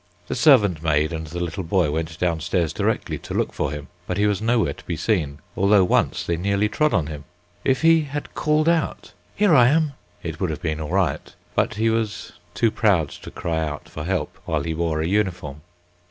The servant maid and the little boy went down stairs directly to look for him; but he was nowhere to be seen, although once they nearly trod upon him. If he had called out, "Here I am," it would have been all right, but he was too proud to cry out for help while he wore a uniform.